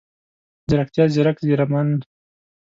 ځيرکتيا، ځیرک، ځیرمن،